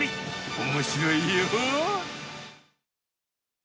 おもしろいよ。